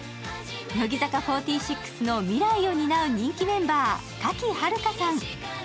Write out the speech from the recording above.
乃木坂４６の未来を担う人気メンバー・賀喜遥香さん。